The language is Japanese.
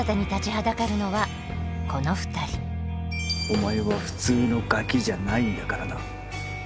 お前は普通のガキじゃないんだからな。